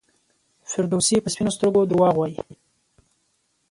فردوسي په سپینو سترګو دروغ وایي.